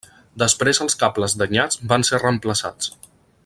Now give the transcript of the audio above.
Després els cables danyats van ser reemplaçats.